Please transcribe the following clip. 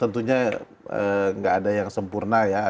tentunya nggak ada yang sempurna ya